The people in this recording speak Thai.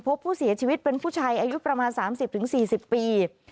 พบผู้เสียชีวิตเป็นผู้ชายอายุประมาณ๓๐๔๐ปี